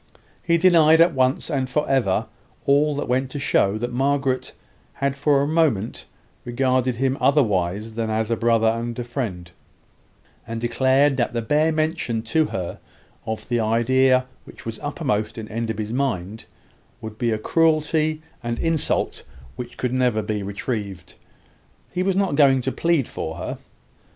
He denied at once and for ever, all that went to show that Margaret had for a moment regarded him otherwise than as a friend and a brother; and declared that the bare mention to her of the idea which was uppermost in Enderby's mind would be a cruelty and insult which could never be retrieved. He was not going to plead for her.